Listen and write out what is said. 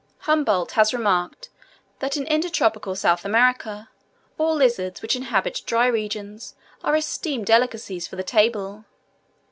Humboldt has remarked that in intertropical South America, all lizards which inhabit dry regions are esteemed delicacies for the table.